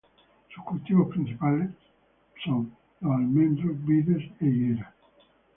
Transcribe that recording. Sus cultivos principles son los almendros, vides e higueras.